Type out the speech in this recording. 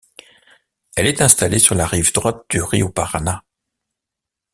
Elle est installée sur la rive droite du rio Paraná.